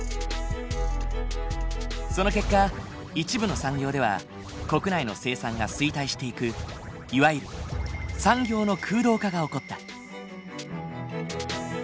その結果一部の産業では国内の生産が衰退していくいわゆる産業の空洞化が起こった。